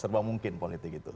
serba mungkin politik itu